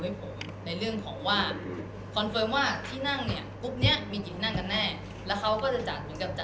แล้วก็เรื่องของตัวหัวบินคือผมแยกเป็นกรุ๊บไป